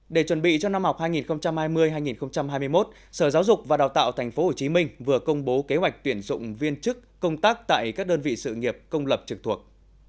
để chuẩn bị cho năm học hai nghìn hai mươi hai nghìn hai mươi một sở giáo dục và đào tạo tp hcm vừa công bố kế hoạch tuyển dụng viên chức công tác tại các đơn vị sự nghiệp công lập trực thuộc